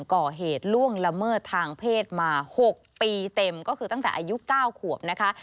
ก่อเหตุล่วงละเมิดทางเพศมา๖ปีเต็มก็คือตั้งแต่อายุ๙ขวบนะคะ